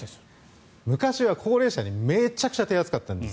昔は高齢者にめちゃくちゃ手厚かったんです。